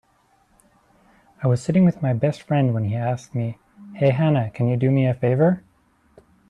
I was sitting with my best friend when he asked me, "Hey Hannah, can you do me a favor?"